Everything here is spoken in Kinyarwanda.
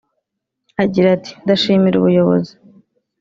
Agira ati “Ndashimira ubuyobozi